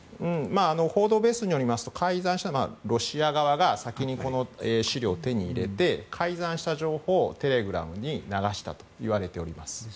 報道ベースによりますと改ざんしたのはロシア側が先に資料を手に入れて改ざんした情報をテレグラムに流したといわれております。